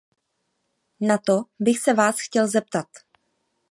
Na to bych se vás chtěl zeptat.